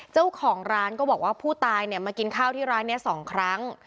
เจ้าของร้านก็บอกว่าผู้ตายเนี่ยมากินข้าวที่ร้านนี้๒ครั้ง